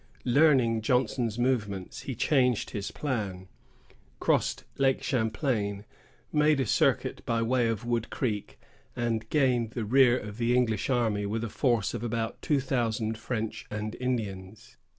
Learning Johnson's movements, he changed his plan, crossed Lake Champlain, made a circuit by way of Wood Creek, and gained the rear of the English army, with a force of about two thousand French and Indians.